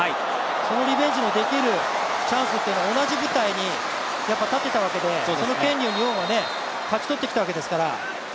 そのリベンジのできるチャンスという同じ舞台に立てたわけで、その権利を日本は勝ち取ってきたわけですから。